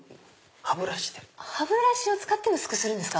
歯ブラシを使って薄くするんですか⁉